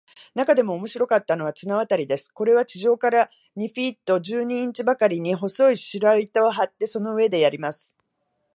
なかでも面白かったのは、綱渡りです。これは地面から二フィート十二インチばかりに、細い白糸を張って、その上でやります。